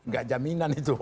gak jaminan itu